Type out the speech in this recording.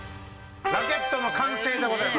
ラケットの完成でございます。